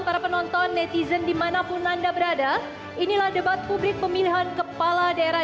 para penonton netizen dimanapun anda berada inilah debat publik pemilihan kepala daerah